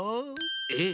えっ？